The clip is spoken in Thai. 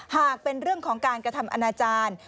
หากเป็นเรื่องของการกระทำอนาจารย์